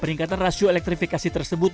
peningkatan rasio elektrifikasi tersebut